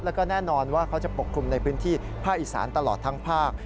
แล้วก็แน่นอนว่าเขาจะปกคลุมในพื้นที่ภาคอีสานตลอดทั้งภาค